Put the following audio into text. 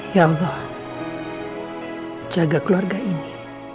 ya allah jaga keluarga ini